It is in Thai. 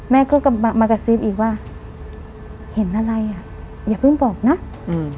แม่ก็กลับมามากระซิบอีกว่าเห็นอะไรอ่ะอย่าเพิ่งบอกนะอืม